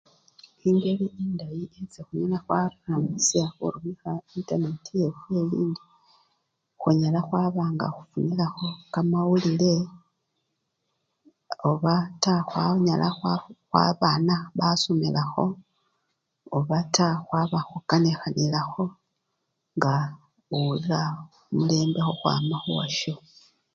Engeli endayi esii khunyala khwarambisha khurumikha enternati yefwe elindi khunyala khwaba nga khufunilakho kamawulile obata khwanyala babana basomelakho obata khwaba nga khukanikhilakho ngo owulila kimilembe khukhwama esii uwasho.